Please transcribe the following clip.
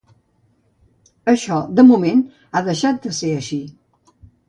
Això, de moment, ha deixat de ser així.